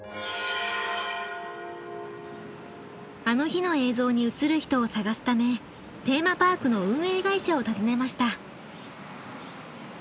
「あの日」の映像に映る人を探すためテーマパークの運営会社を訪ねました。